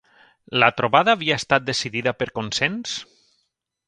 La trobada havia estat decidida per consens?